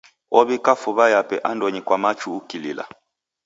Owika fuw'a yape andonyi kwa machu ukilila.